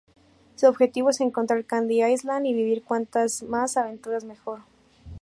Su objetivo es encontrar Candy Island y vivir cuantas más aventuras mejor.